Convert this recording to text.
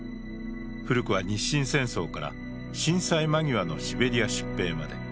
古くは日清戦争から震災間際のシベリア出兵まで。